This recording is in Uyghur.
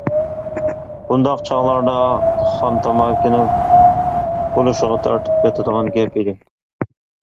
بۇنداق چاغلاردا خام تاماكىنى بولۇشىغا تارتىپ ياتىدىغان گەپ ئىدى.